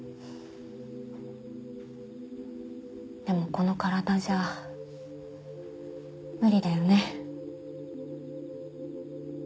でもこの体じゃ無理だよね。